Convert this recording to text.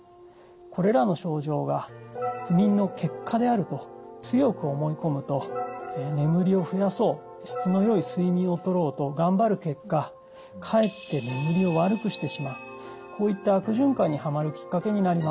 これらの症状が不眠の結果であると強く思い込むと眠りを増やそう質の良い睡眠をとろうと頑張る結果かえって眠りを悪くしてしまうこういった悪循環にはまるきっかけになります。